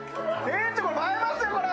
映えますよこれ。